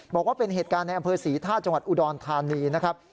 บอกว่าเป็นเหตุการณ์ในอำเภอศรีท่าจังหวัดอุดรธานีนะครับ